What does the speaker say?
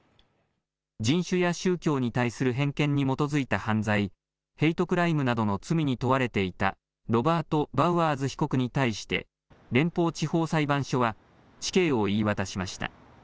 人種や宗教に対する偏見に基づいた犯罪・ヘイトクライムなどの罪に問われていたロバート・バウアーズ被告に対して連邦地方裁判所は死刑を言い渡しました。